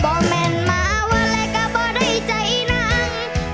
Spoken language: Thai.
บอกแม่นมาว่าแล้วก็บ่ได้ใจนั้ง